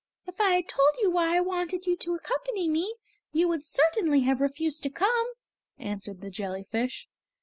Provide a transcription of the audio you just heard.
"If I had told you why I wanted you to accompany me you would certainly have refused to come," answered the jellyfish.